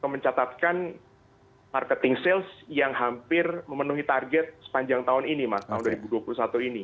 mencatatkan marketing sales yang hampir memenuhi target sepanjang tahun ini mas tahun dua ribu dua puluh satu ini